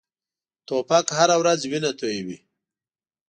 توپک هره ورځ وینه تویوي.